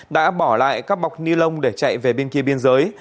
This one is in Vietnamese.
đã bỏ lại các bọc ni lông để chạy về bên kia biên giới